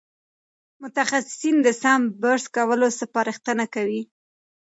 متخصصین د سم برس کولو سپارښتنه کوي.